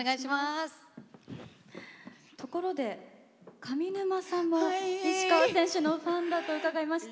ところで、上沼さんも石川選手のファンだと伺いました。